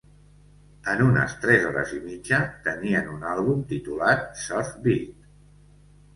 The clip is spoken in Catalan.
En unes tres hores i mitja, tenien un àlbum titulat "Surfbeat".